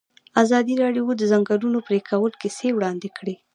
ازادي راډیو د د ځنګلونو پرېکول کیسې وړاندې کړي.